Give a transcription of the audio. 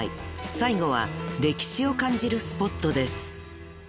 ［最後は歴史を感じるスポットです］